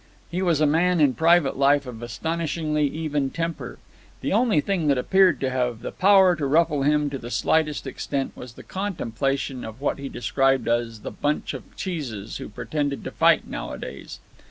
He was a man in private life of astonishingly even temper. The only thing that appeared to have the power to ruffle him to the slightest extent was the contemplation of what he described as the bunch of cheeses who pretended to fight nowadays.